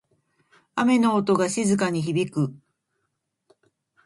雨の音が静かに響く。